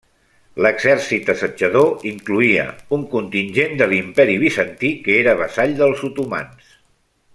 L'exèrcit assetjador incloïa un contingent de l'Imperi Bizantí, que era vassall dels otomans.